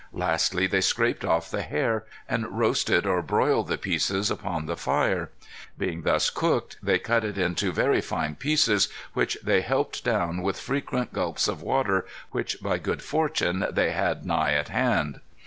Lastly they scraped off the hair, and roasted or broiled the pieces upon the fire. Being thus cooked, they cut it into very fine pieces, which "they helped down with frequent gulps of water, which by good fortune they had nigh at hand."